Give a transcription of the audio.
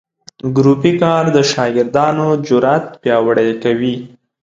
ګروپي کار د شاګردانو جرات پیاوړي کوي.